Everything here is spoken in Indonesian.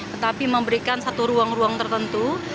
tetapi memberikan satu ruang ruang tertentu